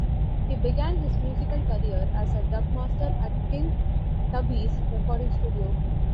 He began his musical career as a dub master at King Tubby's recording studio.